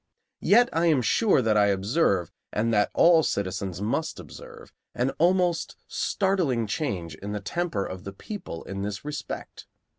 Yet I am sure that I observe, and that all citizens must observe, an almost startling change in the temper of the people in this respect.